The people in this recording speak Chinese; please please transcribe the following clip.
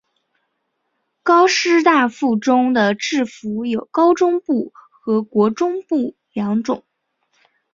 高师大附中的制服有高中部和国中部两种。